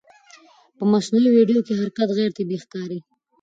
په مصنوعي ویډیو کې حرکت غیر طبیعي ښکاري.